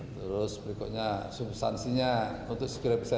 terus berikutnya substansinya untuk segera bisa